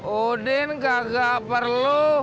oh din kagak perlu